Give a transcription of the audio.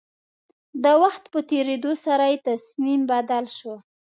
د وخت په تېرېدو سره يې تصميم بدل شو.